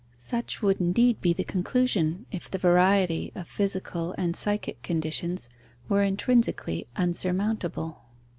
Such would indeed be the conclusion, if the variety of physical and psychic conditions were intrinsically unsurmountable.